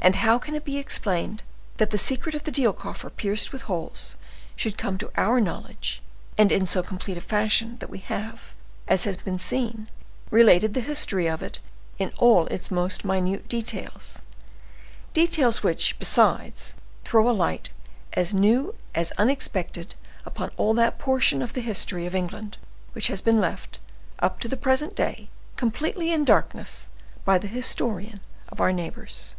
And how can it be explained that the secret of the deal coffer pierced with holes should come to our knowledge, and in so complete a fashion that we have, as has been seen, related the history of it in all its most minute details; details which, besides, throw a light as new as unexpected upon all that portion of the history of England which has been left, up to the present day, completely in darkness by the historian of our neighbors?